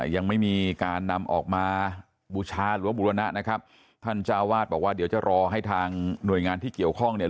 ยังไม่มีการนำออกมาบูชาหรือว่าบุรณะนะครับท่านเจ้าวาดบอกว่าเดี๋ยวจะรอให้ทางหน่วยงานที่เกี่ยวข้องเนี่ย